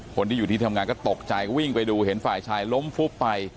คนที่อยู่ที่ทำงานก็ตกใจวิ่งไปดูเห็นฝ่ายชายล้มฟุบไป